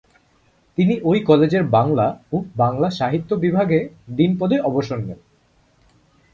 তিনি ওই কলেজের বাংলা ও বাংলা সাহিত্য বিভাগে ডিন পদে অবসর নেন।